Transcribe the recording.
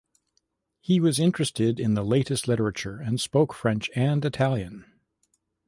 He was interested in the latest literature and spoke French and Italian.